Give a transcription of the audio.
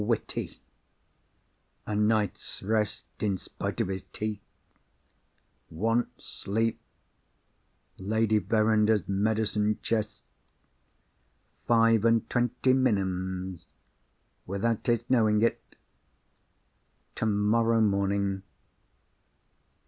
witty ... a night's rest in spite of his teeth ... wants sleep ... Lady Verinder's medicine chest ... five and twenty minims ... without his knowing it ... tomorrow morning